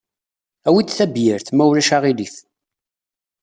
Awi-d tabyirt, ma ulac aɣilif.